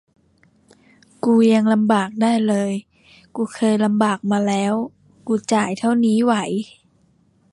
กูยังลำบากได้เลย กูเคยลำบากมาแล้ว กูจ่ายเท่านี้ไหว